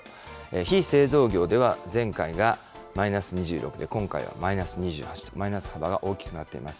非製造業では前回がマイナス２６で、今回はマイナス２８とマイナス幅が大きくなっています。